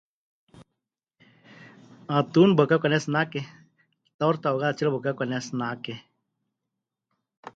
'Atún waɨká pɨkanetsinake, torta ahogada tsiere waɨká pɨkanetsinake.